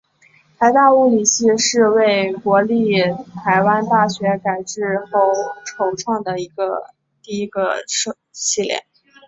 台大物理系是为国立台湾大学改制之后首创的第一个系所。